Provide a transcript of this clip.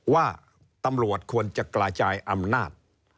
ว่าตำรวจควรจะกระจายอำนาจ